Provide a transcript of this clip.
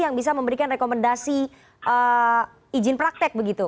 yang bisa memberikan rekomendasi izin praktek begitu